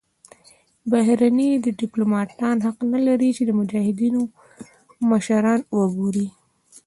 بهرني دیپلوماتان حق نلري چې د مجاهدینو مشران وګوري.